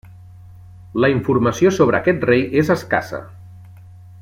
La informació sobre aquest rei és escassa.